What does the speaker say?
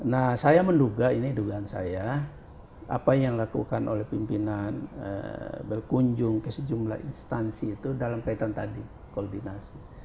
nah saya menduga ini dugaan saya apa yang dilakukan oleh pimpinan berkunjung ke sejumlah instansi itu dalam kaitan tadi koordinasi